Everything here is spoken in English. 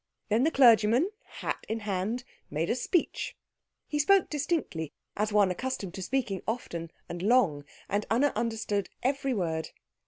Then the clergyman, hat in hand, made a speech. He spoke distinctly, as one accustomed to speaking often and long, and Anna understood every word.